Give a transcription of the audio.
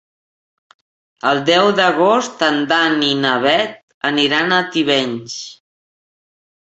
El deu d'agost en Dan i na Bet aniran a Tivenys.